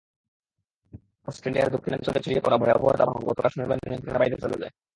অস্ট্রেলিয়ার দক্ষিণাঞ্চলে ছড়িয়ে পড়া ভয়াবহ দাবানল গতকাল শনিবার নিয়ন্ত্রণের বাইরে চলে যায়।